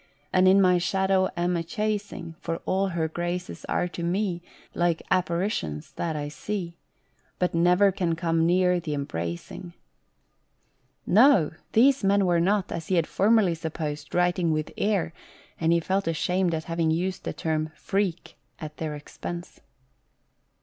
And of my shadow am a chasing. For all her graces are to me Like apparitions that I see, But never can come near th' embracing." 91 GHOST TALES. No! these men were not, as he had formerly supposed, writing with air, and he felt ashamed at having used the term " freak " at their expense.